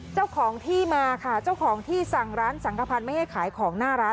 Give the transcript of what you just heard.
เจ้าของที่มาค่ะเจ้าของที่สั่งร้านสังขพันธ์ไม่ให้ขายของหน้าร้าน